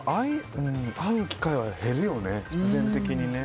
会う機会は減るよね、必然的に。